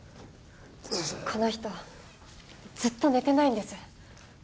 この人ずっと寝てないんです。